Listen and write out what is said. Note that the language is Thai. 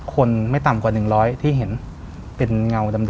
คนไม่ต่ำกว่า๑๐๐ที่เห็นเป็นเงาดำ